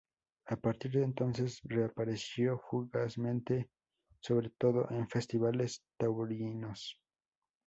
A partir de entonces reapareció fugazmente, sobre todo en festivales taurinos.